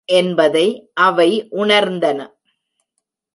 என்பதை அவை உணர்ந்தன.